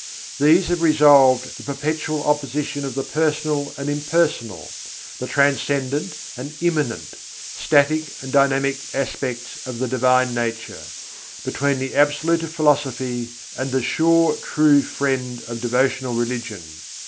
These have resolved the perpetual opposition between the personal and impersonal, the transcendent and immanent, static and dynamic aspects of the Divine Nature; between the Absolute of philosophy and the "sure true Friend" of devotional religion.